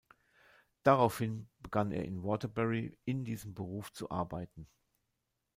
Daraufhin begann er in Waterbury in diesem Beruf zu arbeiten.